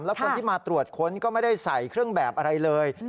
แล้วคนที่มาตรวจค้นก็ไม่ได้ใส่เครื่องแบบอะไรเลย